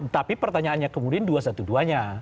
tapi pertanyaannya kemudian dua ratus dua belas nya